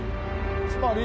つまり。